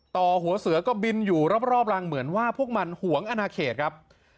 ต่อหัวเสือก็บินอยู่รอบรังเหมือนว่าพวกมันหวงอนาเขตครับ